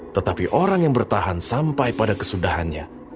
tetapi orang yang bertahan sampai pada kesudahannya